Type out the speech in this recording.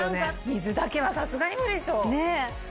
水だけはさすがに無理でしょ。え！